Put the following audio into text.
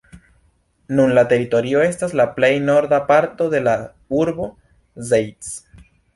Nun la teritorio estas la plej norda parto de la urbo Zeitz.